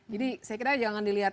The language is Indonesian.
jadi saya kira jangan dilihat